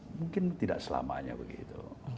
mungkin tidak selamanya begitu